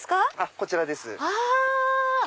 こちらです。